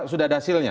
sudah ada hasilnya